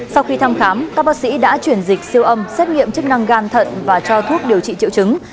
sau khi thăm khám các bác sĩ đã chuyển dịch siêu âm xét nghiệm chức năng gan thận và cho thuốc điều trị triệu chứng